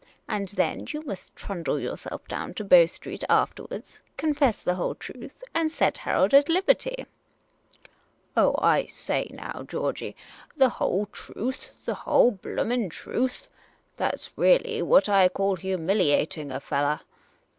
And then you must trundle yourself down to Bow Street afterwards, confess the whole truth, and set Harold at liberty. ''" Oh, I say now, Georgey ! The whole truth ! the whole blooming truth ! That 's really what I call humiliating a fellah